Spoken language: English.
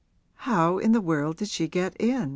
'How in the world did she get in?'